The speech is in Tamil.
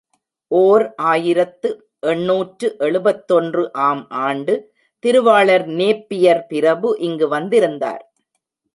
ஓர் ஆயிரத்து எண்ணூற்று எழுபத்தொன்று ஆம் ஆண்டு திருவாளர் நேப்பியர் பிரபு இங்கு வந்திருந்தார்.